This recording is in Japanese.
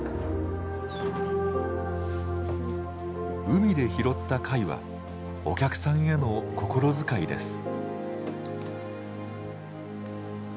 海で拾った貝はお客さんへの心遣いです。